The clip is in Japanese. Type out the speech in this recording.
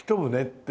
って